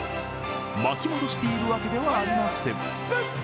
巻き戻しているわけではありません。